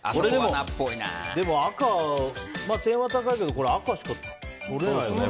でも、赤は点は高いけど赤しか取れないよね。